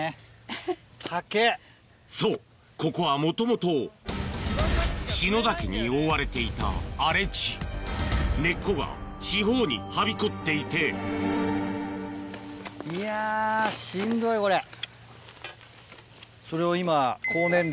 そうここはもともと篠竹に覆われていた荒れ地根っこが四方にはびこっていて高年齢。